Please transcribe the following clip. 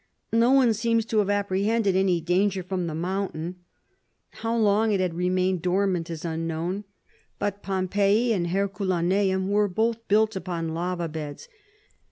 No one seems to have apprehended any danger from the mountain. How long it had remained dormant is unknown. But Pompeii and Herculaneum are both built upon lava beds.